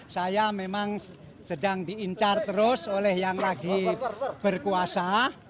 saya memang sedang diincar terus oleh yang lagi berkuasa